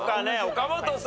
岡本さん。